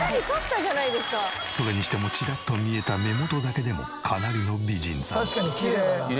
それにしてもチラッと見えた目元だけでもかなりの美人さん。